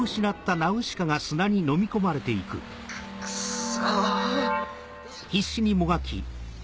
クソ！